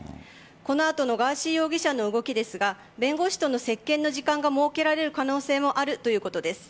この後のガーシー容疑者の動きですが弁護士との接見の時間が設けられる可能性もあるということです。